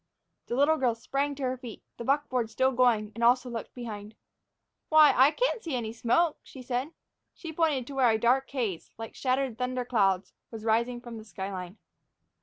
The little girl sprang to her feet, the buckboard still going, and also looked behind. "Why, I can see smoke," she said. She pointed to where a dark haze, like shattered thunder clouds, was rising from the sky line.